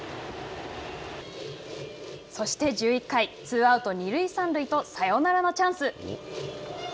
そして１１回ツーアウト、二塁三塁とサヨナラのチャンス。